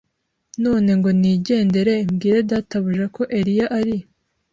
None ngo ningende mbwire databuja ko Eliya ari